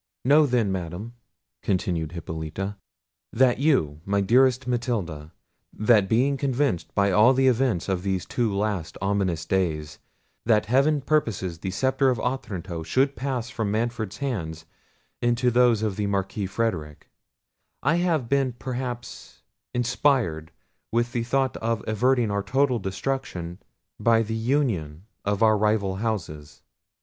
"Know then, Madam," continued Hippolita, "and you my dearest Matilda, that being convinced by all the events of these two last ominous days, that heaven purposes the sceptre of Otranto should pass from Manfred's hands into those of the Marquis Frederic, I have been perhaps inspired with the thought of averting our total destruction by the union of our rival houses.